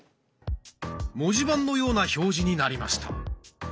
文字盤のような表示になりました。